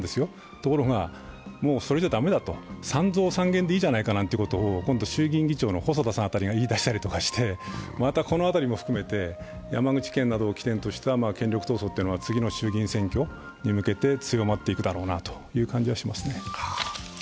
ところがそれじゃ駄目だと、３増３減でいいじゃないかということを衆議院議員の細田さん辺りが言い出したりして、この辺りも含めて山口県などを起点とした権力闘争は次の衆議院選挙に向けて強まっていくだろうなという気がします。